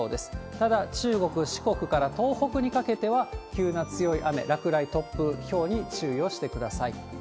ただ、中国、四国から東北にかけては、急な強い雨、落雷、突風、ひょうに注意をしてください。